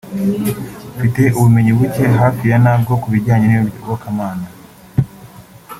Mfite ubumenyi buke hafi ya ntabwo ku bijyanye n’iyobokamana